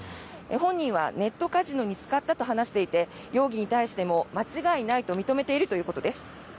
本人はネットカジノに使ったと話していて容疑に対しても間違いないと認めているということです。